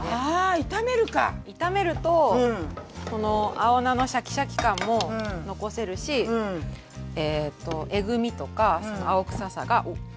炒めるとこの青菜のシャキシャキ感も残せるしえとえぐみとか青臭さがおっ！